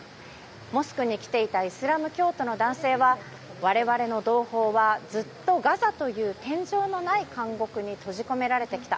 モスクに来ていたイスラム教徒の男性は我々の同胞はずっとガザという天井のない監獄に閉じ込められてきた。